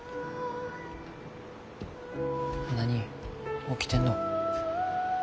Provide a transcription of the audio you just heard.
何起きてんの。